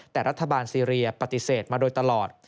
แต่รัฐบาลซีเรียปฏิเสธมาโดยตลอด